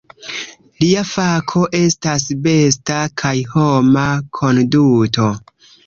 Lia fako estas besta kaj homa konduto.